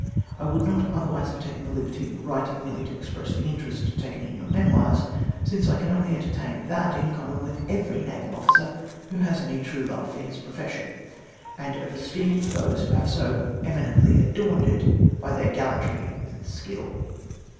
I wouhl not otherwise have taken the liberty of writing merely to express the interest taken in your Memoirs, since I can only entertain that in common with every naval officer who has any true love for his profession, and of esteem for those who have so eminently adorned it by their gallantry and skill.